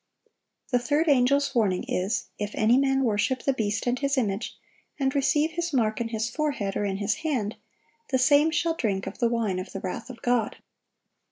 (749) The third angel's warning is, "If any man worship the beast and his image, and receive his mark in his forehead, or in his hand, the same shall drink of the wine of the wrath of God."